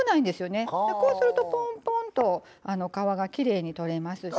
こうするとぽんぽんと皮がきれいに取れますし。